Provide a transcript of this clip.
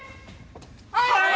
はい！